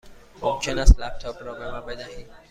ممکن است لپ تاپ را به من بدهید؟